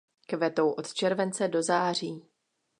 Kvetou od července do září.